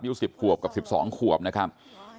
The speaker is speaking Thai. ยูสิบขวบกับ๑๒ขวบนะครับ